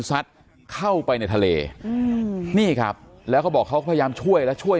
ซัดเข้าไปในทะเลอืมนี่ครับแล้วเขาบอกเขาพยายามช่วยแล้วช่วย